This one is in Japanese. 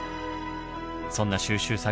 そんな収集作業